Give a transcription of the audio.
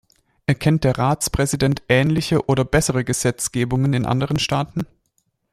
Erkennt der Ratspräsident ähnliche oder bessere Gesetzgebungen in anderen Staaten?